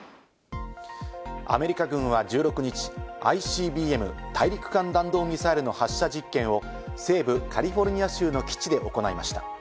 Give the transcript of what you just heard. アメリカ軍は１６日、ＩＣＢＭ＝大陸間弾道ミサイルの発射実験を西部カリフォルニア州の基地で行いました。